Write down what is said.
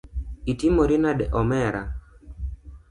Itimori nade omera.